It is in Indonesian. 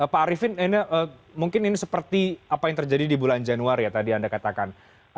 pak arifin mungkin ini seperti apa yang terjadi di bulan januari ya tadi anda katakan